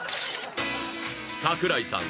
櫻井さん